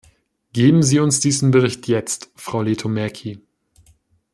Geben Sie uns diesen Bericht jetzt, Frau Lehtomäki.